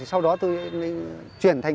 sau đó tôi chuyển thành